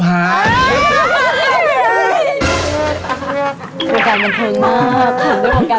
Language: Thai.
โปรการบันทึงมากค่ะ